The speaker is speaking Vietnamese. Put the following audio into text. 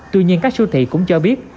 tuy nhiên các siêu thị cũng cho biết